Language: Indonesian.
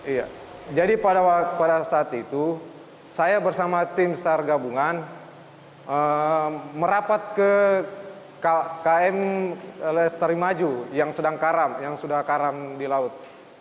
iya jadi pada saat itu saya bersama tim sar gabungan merapat ke km lestari maju yang sedang karam yang sudah karam di laut